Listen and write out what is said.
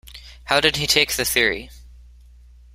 How did he take the theory?